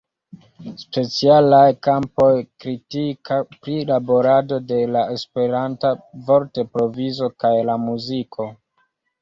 Specialaj kampoj: kritika prilaborado de la Esperanta vortprovizo kaj la muziko.